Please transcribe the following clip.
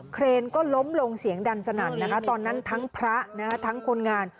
เครนก็ล้มลงเสียงดันสนั่นนะคะตอนนั้นทั้งพระทั้งคนงาน